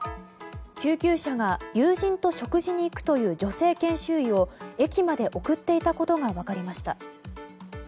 救急車が友人と食事に行くという女性研修医を駅まで送っていたことが分かりました。